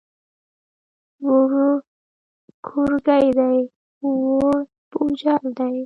ووړ کورګی دی، ووړ بوجل دی.